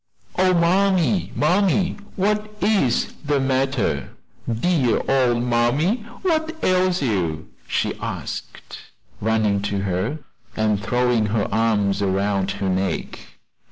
"Oh, mammy, mammy! what is the matter? dear old mammy, what ails you?" she asked, running to her, and throwing her arms around her neck.